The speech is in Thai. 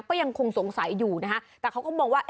ก็ยังคงสงสัยอยู่นะคะแต่เขาก็มองว่า